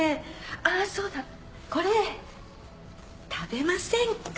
あぁそうだこれ食べませんか？